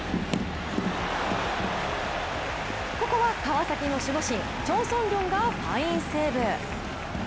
ここは川崎の守護神、チョン・ソンリョンがファインセーブ。